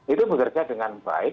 itu bekerja dengan baik